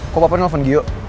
kok bapaknya nelfon gio